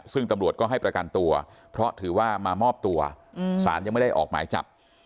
ซึ่งตำรวจก็ให้ประกันตัวเพราะถือว่ามามอบตัวสารยังไม่ได้ออกหมายจับ